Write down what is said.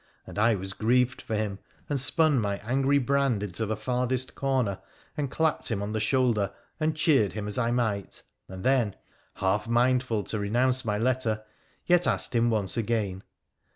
And I was grieved for him, and spun my angry brand into the farthest corner, and clapped him on the shoulder, and cheered him as I might, and then, half mindful to renounce my letter, yet asked him once again.